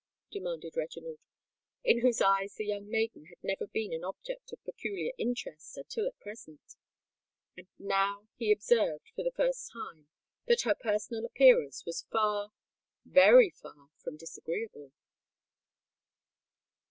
demanded Reginald, in whose eyes the young maiden had never been an object of peculiar interest until at present;—and now he observed, for the first time, that her personal appearance was far—very far from disagreeable.